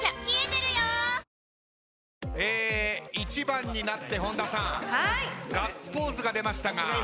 １番になって本田さんガッツポーズが出ましたが。